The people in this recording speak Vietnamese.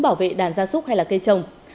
bảo vệ đàn gia súc hay là cây trồng